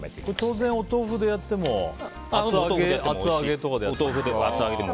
当然、お豆腐でやっても厚揚げとかでやっても。